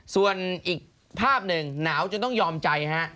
ส่วนอีกภาพหนึ่งหนาวจนต้องยอมใจฮะ